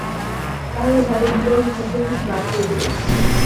তা হলে ঘটক-বিদায়ের হিসাব থেকে কিছু বাদ পড়বে দেখছি।